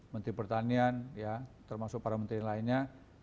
menteri pertanian termasuk para menteri lainnya